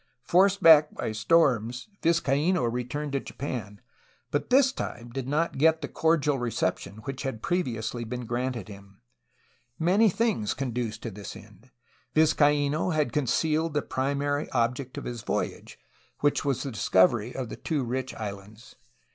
Forced back by storms, Vizcaino returned to Japan, but this time did not get the cordial reception which had previously been granted him. Many things conduced to this end. Vizcaino had concealed I the primary object of his voyage, which was the discovery of the two rich islands.